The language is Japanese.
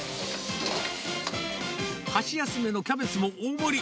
箸休めのキャベツも大盛り。